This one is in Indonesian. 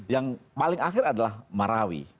yang paling akhir adalah marawi